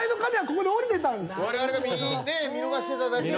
われわれが見逃してただけで。